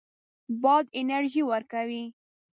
باد انرژي ورکوي.